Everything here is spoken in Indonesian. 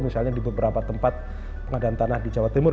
misalnya di beberapa tempat pengadaan tanah di jawa timur